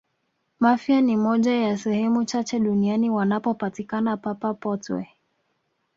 mafia ni moja ya sehemu chache duniani wanapopatikana papa potwe